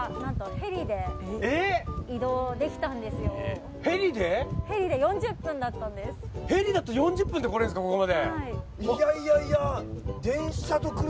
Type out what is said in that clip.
ヘリだと４０分で来れるんですかここまで。